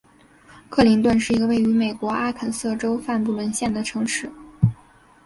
克林顿是一个位于美国阿肯色州范布伦县的城市。